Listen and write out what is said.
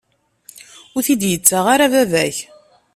Ur t-id-yettaɣ ara baba-k.